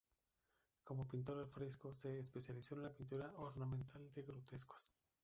Como pintor al fresco se especializó en la pintura ornamental de grutescos.